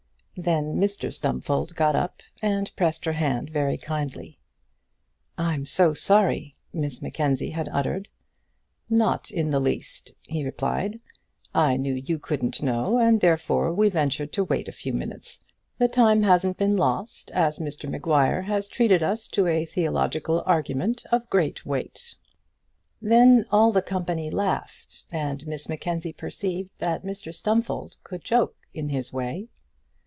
Then Mr Stumfold got up, and pressed her hand very kindly. "I'm so sorry," Miss Mackenzie had uttered. "Not in the least," he replied. "I knew you couldn't know, and therefore we ventured to wait a few minutes. The time hasn't been lost, as Mr Maguire has treated us to a theological argument of great weight." Then all the company laughed, and Miss Mackenzie perceived that Mr Stumfold could joke in his way.